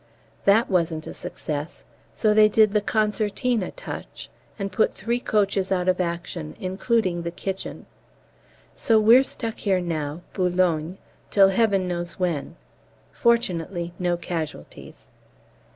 That wasn't a success, so they did the concertina touch, and put three coaches out of action, including the kitchen. So we're stuck here now (Boulogne) till Heaven knows when. Fortunately no casualties.